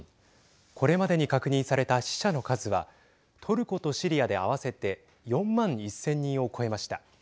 これまでに確認された死者の数はトルコとシリアで合わせて４万１０００人を超えました。